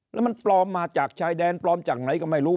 แล้วมันปลอมมาจากชายแดนปลอมจากไหนก็ไม่รู้